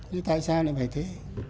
thế tại sao lại phải thế